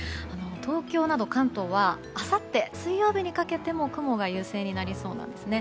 東京など関東はあさって、水曜日にかけても雲が優勢になりそうなんですね。